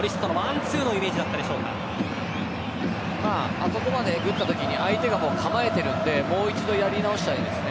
あそこまでえぐったとき相手が構えているのでもう一度やり直したらいいですね。